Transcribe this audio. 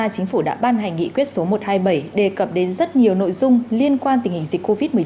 chính phủ đã ban hành nghị quyết số một trăm hai mươi bảy đề cập đến rất nhiều nội dung liên quan tình hình dịch covid một mươi chín